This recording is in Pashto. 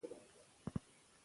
ایا ښوونځی پاک دی؟